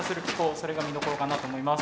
それが見どころかなと思います。